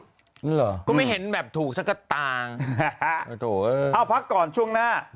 เหรอก็ไม่เห็นแบบถูกสักกระตางโอ้โหเอาพักก่อนช่วงหน้า